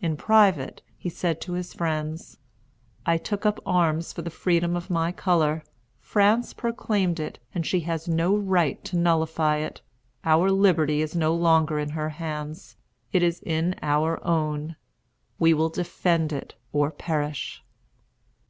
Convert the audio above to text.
In private, he said to his friends: "I took up arms for the freedom of my color. France proclaimed it, and she has no right to nullify it. Our liberty is no longer in her hands; it is in our own. We will defend it, or perish."